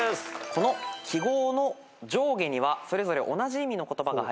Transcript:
この記号の上下にはそれぞれ同じ意味の言葉が入ります。